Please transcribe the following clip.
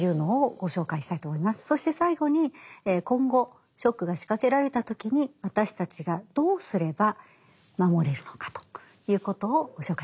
そして最後に今後ショックが仕掛けられた時に私たちがどうすれば守れるのかということをご紹介したいと思います。